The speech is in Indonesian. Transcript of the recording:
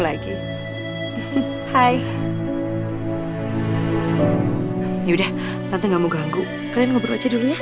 mereka udah lama gak ketemu